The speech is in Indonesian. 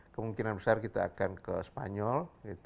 kemungkinan besar kita akan ke spanyol